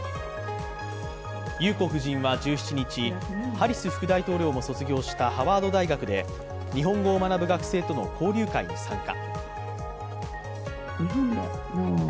裕子夫人は１７日ハリス副大統領も卒業したハワード大学で日本語を学ぶ学生との交流会に参加。